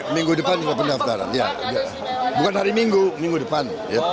minggu depan kita pendaftaran bukan hari minggu minggu depan